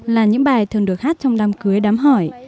là những bài thường được hát trong đám cưới đám hỏi